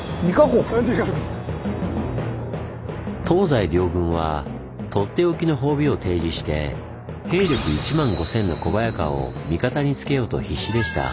東西両軍はとっておきの褒美を提示して兵力１万５，０００の小早川を味方につけようと必死でした。